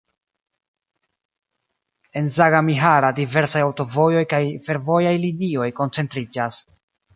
En Sagamihara diversaj aŭtovojoj kaj fervojaj linioj koncentriĝas.